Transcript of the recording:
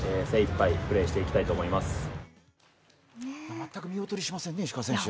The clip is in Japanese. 全く見劣りしませんね、石川選手。